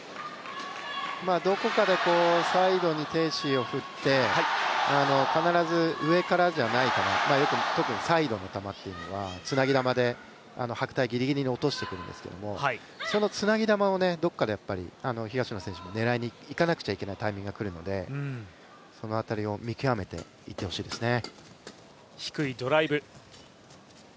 どこかでサイドに鄭思緯を振って必ず上からじゃない形特にサイドの球っていうのはつなぎ玉で白帯ギリギリに落としてくるんですけどそのつなぎ球をどこかで東野選手も狙いにいかなきゃいけないタイミングがくるので、その辺りを見極めていってほしいですね。